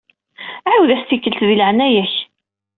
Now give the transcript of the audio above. Ɛiwed-as tikkelt di leɛnaya-k.